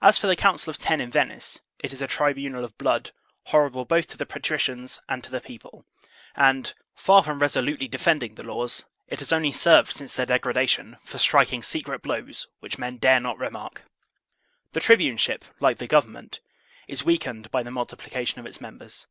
As for the Council of Ten in Venice, it is a tribunal of blood, horrible both to the patricians and to the people; and, far from reso lutely defending the laws, it has only served since their degradation for striking secret blows which men dare not remark. The tribuneship, like the government, is weakened by the multiplication of its members.